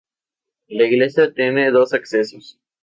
La iglesia tiene dos accesos.